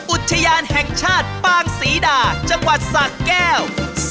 อุทยานแห่งชาติปางศรีดาจังหวัดสะแก้ว